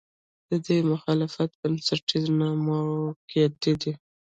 د دوی مخالفت بنسټیز نه، موقعتي دی.